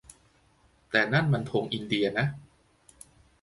แต่นั่นมันธงอินเดียนะ